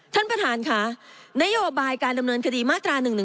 ท่านประธานค่ะนโยบายการดำเนินคดีมาตรา๑๑๒